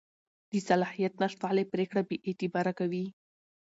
د صلاحیت نشتوالی پرېکړه بېاعتباره کوي.